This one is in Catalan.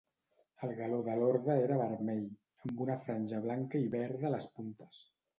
El galó de l'orde era vermell, amb una franja blanca i verda a les puntes.